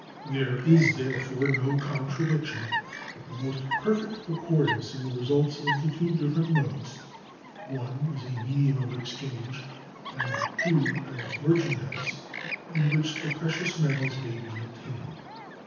There is, therefore, no contradiction, but the most perfect accordance, in the results of the two different modes [(1) as a medium of exchange; and (2) as merchandise] in which the precious metals may be obtained.